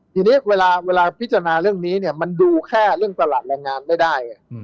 ทีนี้เวลาพิจารณาเรื่องนี้เนี่ยมันดูแค่เรื่องตลาดแรงงานไม่ได้